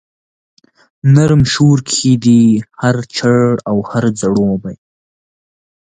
نرم شور کښي دی هر چړ او هر ځړوبی